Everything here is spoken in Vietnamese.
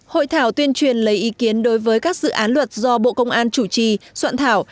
hội thảo tuyên truyền lấy ý kiến đối với các dự án luật do bộ công an chủ trì soạn thảo